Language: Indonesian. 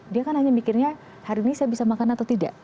dia kan hanya mikirnya hari ini saya bisa makan atau tidak